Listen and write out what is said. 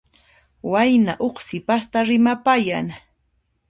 Wayna huk sipasta rimapayan.